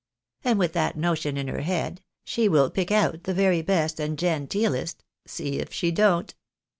And with that notion in her head, she will pick out the very best and genteelest, see if she don't."